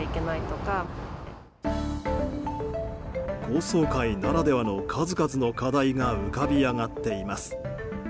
高層階ならではの数々の課題が浮かび上がっています。